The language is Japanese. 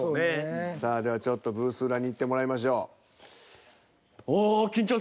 さあではちょっとブース裏に行ってもらいましょう。